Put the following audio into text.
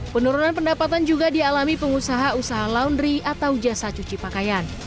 penurunan pendapatan juga dialami pengusaha usaha laundry atau jasa cuci pakaian